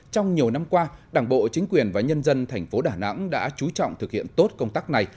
trong nhiều năm qua đảng bộ chính quyền và nhân dân thành phố đà nẵng đã chú trọng thực hiện tốt công tác này